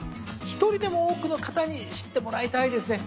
１人でも多くの方に知ってもらいたいですね。